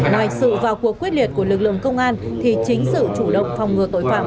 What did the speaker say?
ngoài sự vào cuộc quyết liệt của lực lượng công an thì chính sự chủ động phòng ngừa tội phạm